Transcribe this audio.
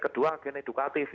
kedua agen edukatif